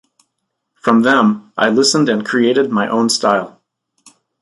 From them, I listened and created my own style.